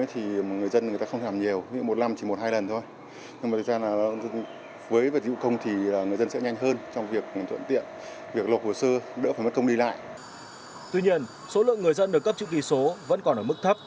tuy nhiên số lượng người dân được cấp chữ ký số vẫn còn ở mức thấp